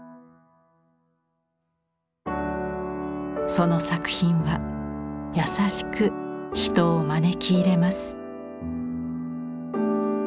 その作品は優しく人を招き入れます。